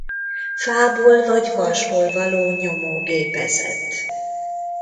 Fából vagy vasból való nyomó gépezet.